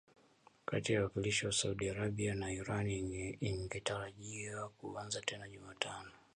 kati ya wawakilishi wa Saudi Arabia na Iran ingetarajiwa kuanza tena Jumatano